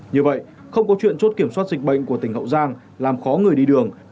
như vậy không có chuyện chốt kiểm soát dịch bệnh của tỉnh hậu giang làm khó người đi đường